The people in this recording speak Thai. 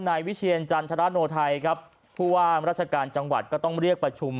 นายวิเชียรจันทรโนไทยครับผู้ว่ามราชการจังหวัดก็ต้องเรียกประชุม